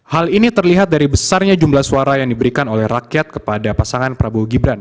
hal ini terlihat dari besarnya jumlah suara yang diberikan oleh rakyat kepada pasangan prabowo gibran